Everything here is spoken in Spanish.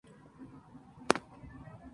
Estudió en la Universidad de Siracusa.